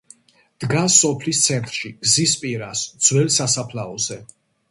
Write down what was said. დგას სოფლის ცენტრში, გზის პირას, ძველ სასაფლაოზე.